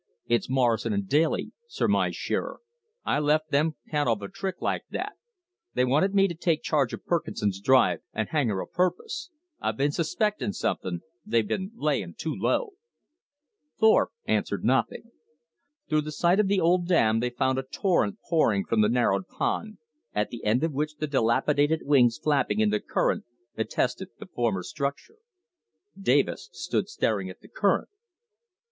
"It's Morrison and Daly," surmised Shearer. "I left them 'count of a trick like that. They wanted me to take charge of Perkinson's drive and hang her a purpose. I been suspecting something they've been layin' too low." Thorpe answered nothing. Through the site of the old dam they found a torrent pouring from the narrowed pond, at the end of which the dilapidated wings flapping in the current attested the former structure. Davis stood staring at the current.